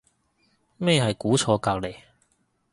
咩係估錯隔離